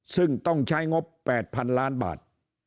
ซึ่งต้องใช้งบ๘๐๐๐ล้านบาท